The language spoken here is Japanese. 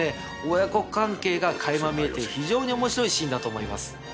親子関係が垣間見えて非常に面白いシーンだと思います。